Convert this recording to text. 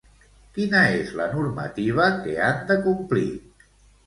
Quina és la normativa que han de complir?